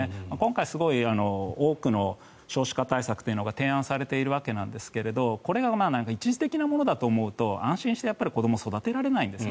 今回、多くの少子化対策が提案されているわけですがこれを一時的なものと思うと安心して子どもを育てられないんです。